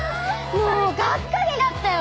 もうがっかりだったよ！